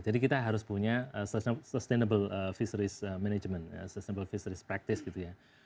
jadi kita harus punya sustainable fisheries management sustainable fisheries practice gitu ya